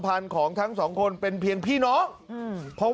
การนอนไม่จำเป็นต้องมีอะไรกัน